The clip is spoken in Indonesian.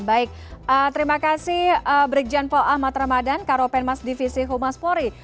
baik terima kasih brigjen paul ahmad ramadan karopenmas divisi humas polri